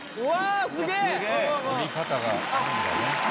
うわ！